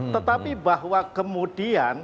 tetapi bahwa kemudian